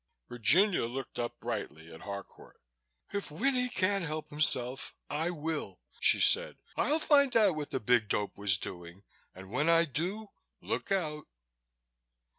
Virginia looked up brightly at Harcourt. "If Winnie won't help himself, I will," she said. "I'll find out what the big dope was doing and when I do look out!"